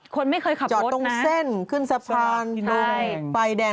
คนไม่เคยขับจอดตรงเส้นขึ้นสะพานลงไฟแดง